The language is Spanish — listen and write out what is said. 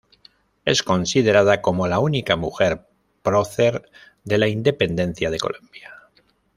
Es considerada como la única mujer prócer de la Independencia de Colombia.